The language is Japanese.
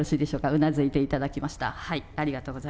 うなずいていただきました。